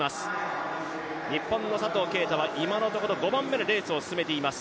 日本の佐藤圭汰は、今のところ５番目でレースを進めています。